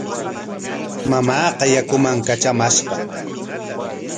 Mamaaqa yakuman katramashqa.